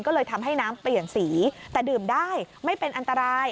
ก็เลยทำให้น้ำเปลี่ยนสีแต่ดื่มได้ไม่เป็นอันตราย